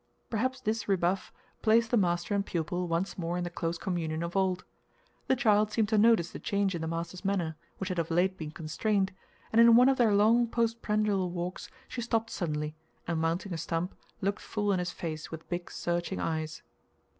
Perhaps this rebuff placed the master and pupil once more in the close communion of old. The child seemed to notice the change in the master's manner, which had of late been constrained, and in one of their long postprandial walks she stopped suddenly, and mounting a stump, looked full in his face with big, searching eyes.